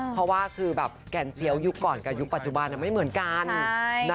เพราะแก่นเซี๊ยวยุคว่าก่อนยุคปัจจุบานไม่เหมือนกัน